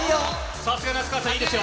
さすが、那須川さんいいですよ。